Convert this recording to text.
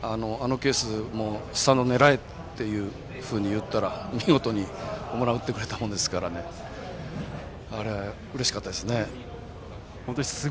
あのケースもスタンドを狙えと言ったら見事に、ホームランを打ってくれたものですから本当にうれしかったですね。